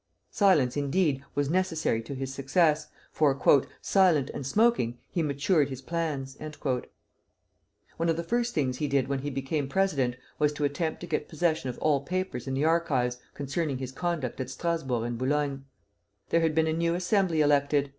Silence, indeed, was necessary to his success, for, "silent and smoking, he matured his plans." One of the first things he did when he became president was to attempt to get possession of all papers in the archives concerning his conduct at Strasburg and Boulogne. There had been a new Assembly elected.